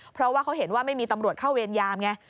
เพราะว่าเขาเห็นว่าไม่มีตำรวจเข้าเวรยามไง